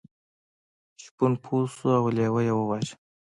شپون پوه شو او لیوه یې وواژه.